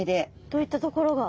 どういったところが？